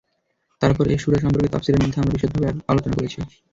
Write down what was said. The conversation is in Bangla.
তারপর এ সূরা সম্পর্কে তাফসীরের মধ্যে আমরা বিশদভাবে আলোচনা করেছি।